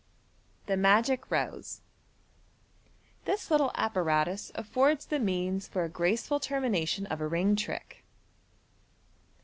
Thb Maoic Rosb. — This little apparatus affords the means for a graceful termination of a ring trick.